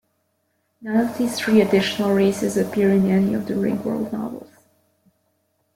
None of these three additional races appear in any of the "Ringworld" novels.